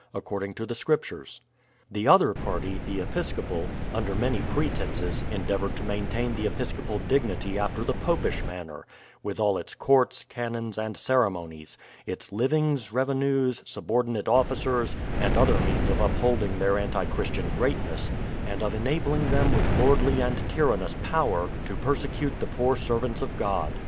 according to the Scriptures. The other party, — the episcopal, — under many pretences, endeavoured to maintain the episcopal dignity after the popish manner, — with all its courts, canons, and ceremonies ; its livings, revenues, subordinate officers, and other means of upholding their anti Christian greatness, and of enabling them with lordly and tyrannous power to persecute the poor servants of God.